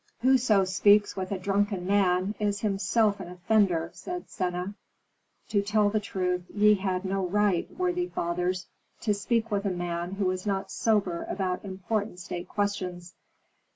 "Whoso speaks with a drunken man is himself an offender," said Sena. "To tell the truth, ye had no right, worthy fathers, to speak with a man who was not sober about important state questions.